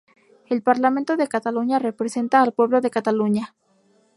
El Parlamento de Cataluña representa al pueblo de Cataluña.